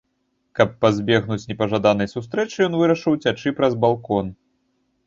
Каб пазбегнуць непажаданай сустрэчы ён вырашыў уцячы праз балкон.